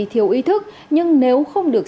thiếu ý thức nhưng nếu không được